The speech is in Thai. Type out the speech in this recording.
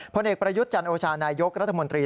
ผลเอกประยุทธ์จันโอชานายกรัฐมนตรี